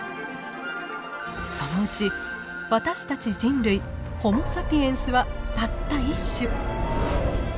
そのうち私たち人類ホモ・サピエンスはたった１種。